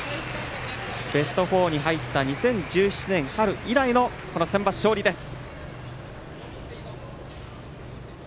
ベスト４に入った２０１７年春以来のこのセンバツ勝利です。